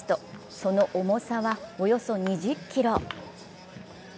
その重さはおよそ２０ｋｇ。